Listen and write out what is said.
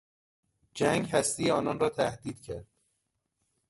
جنگ هستی آنان را تهدید کرد.